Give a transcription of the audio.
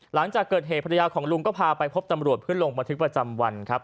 หลังจากเกิดเหตุภรรยาของลุงก็พาไปพบตำรวจเพื่อลงบันทึกประจำวันครับ